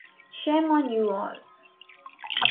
Shame on you all.